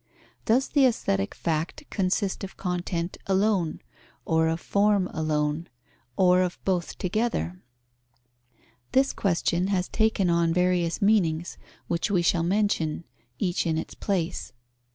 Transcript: Does the aesthetic fact consist of content alone, or of form alone, or of both together? This question has taken on various meanings, which we shall mention, each in its place.